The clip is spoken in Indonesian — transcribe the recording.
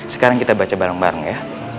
sekarang kita baca bareng bareng ya